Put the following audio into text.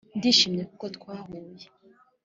ndishimye kuko twahuye...